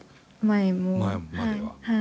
前までは。